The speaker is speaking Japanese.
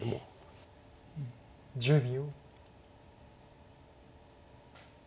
１０秒。